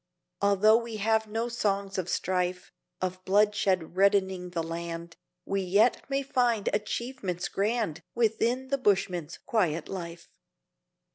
Although we have no songs of strife, Of bloodshed reddening the land, We yet may find achievements grand Within the bushman's quiet life.